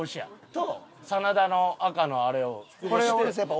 と真田の赤のあれを。